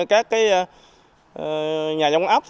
các nhà dòng áp